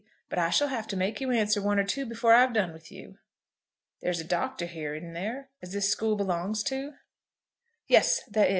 But I shall have to make you answer one or two before I've done with you. There's a Doctor here, isn't there, as this school belongs to?" "Yes, there is.